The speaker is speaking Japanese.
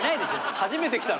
初めて来たの？